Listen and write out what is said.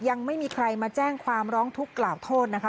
ยังไม่มีใครมาแจ้งความร้องทุกข์กล่าวโทษนะคะ